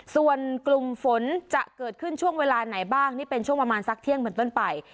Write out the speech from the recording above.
ส่วนกลุ่มฝนจะเกิดขึ้นช่วงเวลาไหนบ้างนี่เป็นช่วงประมาณสักเที่ยงเหมือนต้นไป